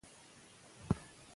که پوهه وي نو هوس وي.